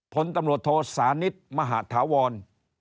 พนธ์ตำรวจโทษสานิสมหาฐาวร